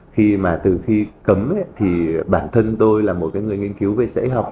khi mà từ khi cấm thì bản thân tôi là một người nghiên cứu về dạy học